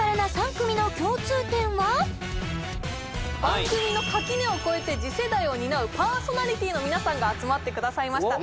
番組の垣根を越えて次世代を担うパーソナリティーの皆さんが集まってくださいました